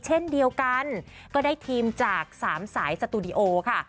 เช่นเดียวกันก็ได้ทีมจาก๓สายสตูดิโอค่ะ